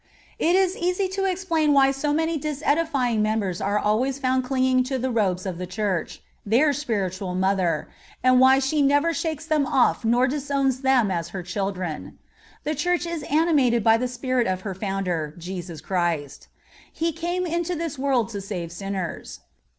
It is easy to explain why so many disedifying members are always found clinging to the robes of the Church, their spiritual Mother, and why she never shakes them off nor disowns them as her children. The Church is animated by the spirit of her Founder, Jesus Christ. He "came into this world to save sinners."